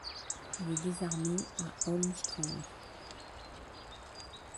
Il est désarmé à Holmestrand.